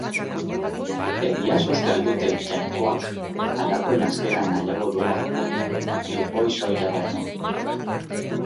Egiaz uste al dute Jainkoak halako janzkera nahiago duela jupoi soila baino?